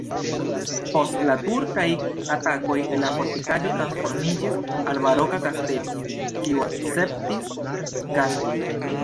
Post la turkaj atakoj la fortikaĵo transformiĝis al baroka kastelo, kiu akceptis gastojn.